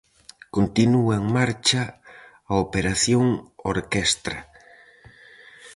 Continúa en marcha a "Operación Orquestra".